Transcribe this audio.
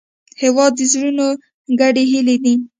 هېواد د زړونو ګډې هیلې دي.